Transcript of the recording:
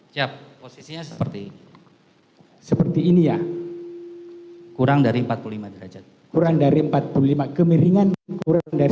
siap posisinya seperti seperti ini ya kurang dari empat puluh lima derajat kurang dari empat puluh lima kemiringan kurang dari